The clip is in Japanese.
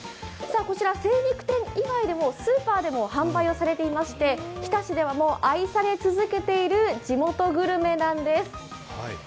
こちら精肉店以外でもスーパーでも販売されていまして日田市では愛され続けている地元グルメなんです。